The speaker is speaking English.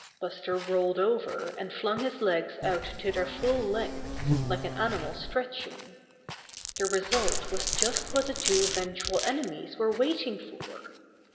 Buster rolled over and flung his legs out to their full length like an animal stretching. 84 Buster the Bear The result was just what the two vengeful enemies were waiting for.